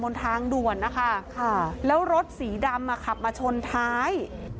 บนทางด่วนนะคะแล้วรถสีดำมาขับมาชนท้าย